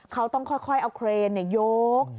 เขาต้องค่อยเอาเครนยก